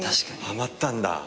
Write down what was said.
ハマったんだ。